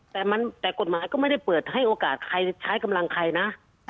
แต่กฎหมายก็ไม่ได้เปิดให้โอกาสใครใช้กำลังใครนะ